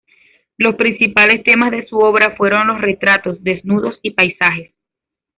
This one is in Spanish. Los principales temas de su obra fueron los retratos, desnudos y paisajes.